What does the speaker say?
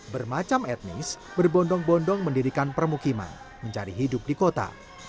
bermacam etnis berbondong bondong mendirikan permukiman mencari hidup di kota